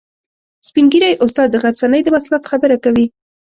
سپین ږیری استاد د غرڅنۍ د وصلت خبره کوي.